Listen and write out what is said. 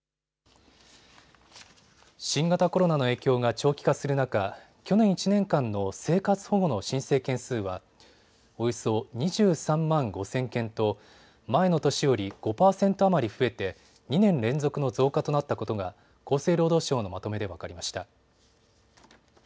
新型コロナの影響が長期化する中、去年１年間の生活保護の申請件数はおよそ２３万５０００件と前の年より５％余り増えて２年連続の増加となったことが厚生労働省のまとめで分かりました。